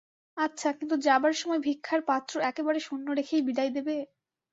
আচ্ছা, কিন্তু যাবার সময় ভিক্ষার পাত্র একেবারে শূন্য রেখেই বিদায় দেবে?